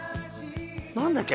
何だっけ？